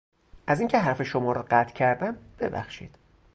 از این که حرف شما را قطع کردم ببخشید.